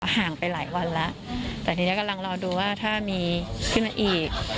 ห่างไปหลายวันแล้วแต่ทีนี้กำลังรอดูว่าถ้ามีขึ้นมาอีก